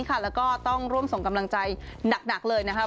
แล้วก็ต้องร่วมส่งกำลังใจหนักเลยนะครับ